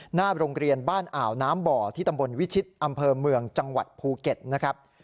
หน้าโรงเรียนบ้านอ่าวน้ำบ่อที่ตำบลวิชิตอำเภอเมืองจังหวัดภูเก็ตนะครับ